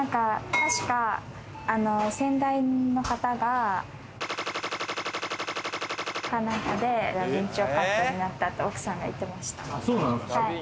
確か先代の方が、○○か何かで駄敏丁カットになったって奥さんが言ってました。